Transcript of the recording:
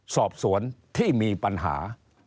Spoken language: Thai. สอบสวนที่มีปัญหา